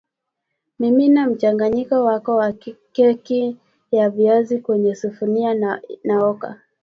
mimina mchanganyiko wako wa keki ya viazi kwenye sufuria na oka